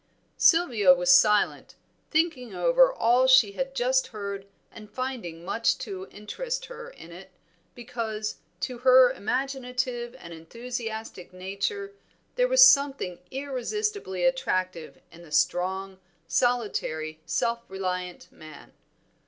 Sylvia was silent, thinking over all she had just heard and finding much to interest her in it, because, to her imaginative and enthusiastic nature, there was something irresistibly attractive in the strong, solitary, self reliant man.